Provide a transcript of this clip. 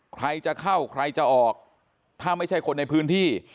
ใครจะเข้าใครจะออกถ้าไม่ใช่คนในพื้นที่